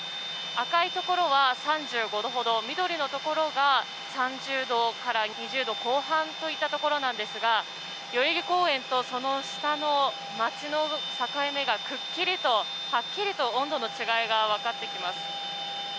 赤いところは３５度ほど緑のところが３０度から２０度後半といったところなんですが代々木公園とその下の街の境目がくっきりと、はっきりと温度の違いが分かってきます。